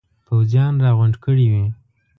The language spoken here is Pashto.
پوځیان را غونډ کړي وي.